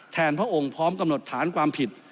พระองค์พร้อมกำหนดฐานความผิด